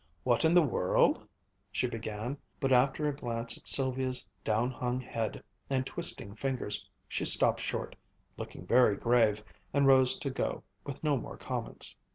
What in the world " she began, but after a glance at Sylvia's down hung head and twisting fingers, she stopped short, looking very grave, and rose to go, with no more comments.